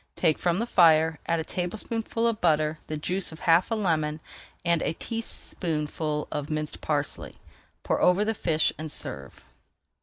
Take from the fire, add a tablespoonful of butter, the juice of half a lemon, and a teaspoonful of minced parsley. Pour over the fish and serve.